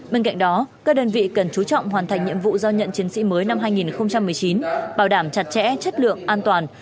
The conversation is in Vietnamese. bên cạnh đó các đơn vị cần chú trọng hoàn thành nhiệm vụ do nhận chiến sĩ mới năm hai nghìn một mươi chín bảo đảm chặt chẽ chất lượng an toàn